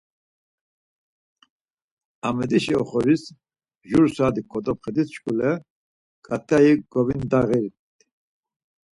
Amedişi oxoris jur saat̆i kodopxedit şuǩule ǩat̆ai govindağilit.